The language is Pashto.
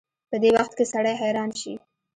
په دې وخت کې سړی حيران شي.